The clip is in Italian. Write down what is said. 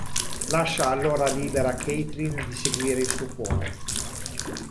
Lascia allora libera Kathleen di seguire il suo cuore.